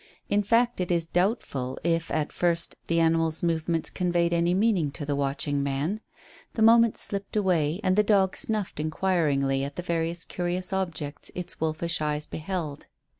In fact, it is doubtful if, at first, the animal's movements conveyed any meaning to the watching man. The moments slipped away and the dog snuffed inquiringly at the various curious objects its wolfish eyes beheld.